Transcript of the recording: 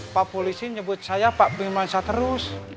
pak polisi menyebut saya pak pirmansah terus